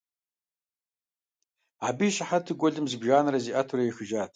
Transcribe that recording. Абы и щыхьэту гуэлым зыбжанэрэ зиӀэтурэ ехыжат.